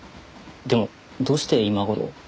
でもどうして今頃？